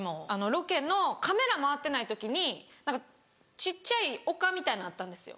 ロケのカメラ回ってない時に何か小っちゃい丘みたいのあったんですよ。